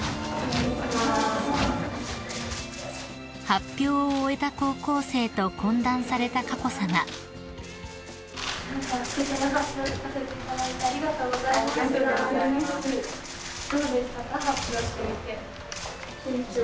［発表を終えた高校生と懇談された佳子さま］緊張？